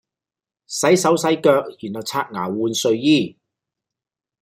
洗手洗腳然後刷牙換睡衣